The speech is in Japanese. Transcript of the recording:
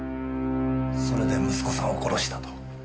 それで息子さんを殺したと？